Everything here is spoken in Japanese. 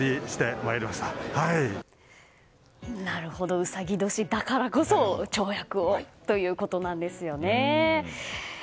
うさぎ年だからこそ跳躍をということなんですね。